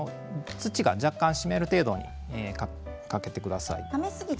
土が若干湿る程度にかけてください。